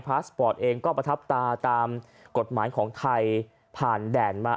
พลาสปอร์ตเองก็ประทับตาตามกฎหมายที่ไทย